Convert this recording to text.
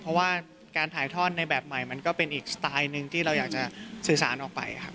เพราะว่าการถ่ายทอดในแบบใหม่มันก็เป็นอีกสไตล์หนึ่งที่เราอยากจะสื่อสารออกไปครับ